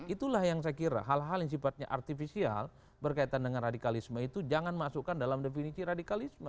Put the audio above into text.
itulah yang saya kira hal hal yang sifatnya artifisial berkaitan dengan radikalisme itu jangan masukkan dalam definisi radikalisme